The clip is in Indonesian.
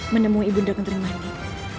menemui ibu nda kenterimanik